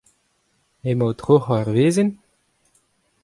Emañ o troc'hañ ur wezenn ?